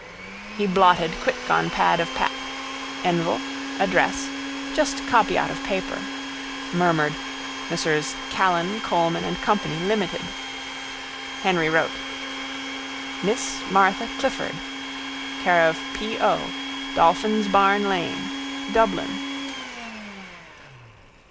Dee. He blotted quick on pad of Pat. Envel. Address. Just copy out of paper. Murmured: Messrs Callan, Coleman and Co, limited. Henry wrote: Miss Martha Clifford c/o P. O. Dolphin's Barn Lane Dublin.